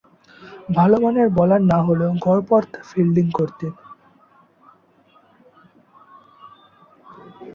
ভালোমানের bowler না হলেও গড়পড়তা ফিল্ডিং করতেন।